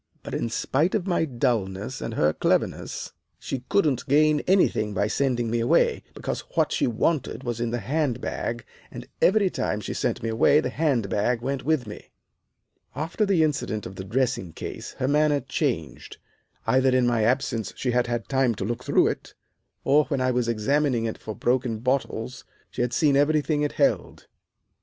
But in spite of my dulness, and her cleverness, she couldn't gain anything by sending me away, because what she wanted was in the hand bag and every time she sent me away the hand bag went with me. "After the incident of the dressing case her manner changed. Either in my absence she had had time to look through it, or, when I was examining it for broken bottles, she had seen everything it held.